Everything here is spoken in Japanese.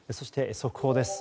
速報です。